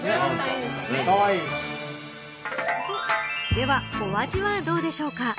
ではお味はどうでしょうか。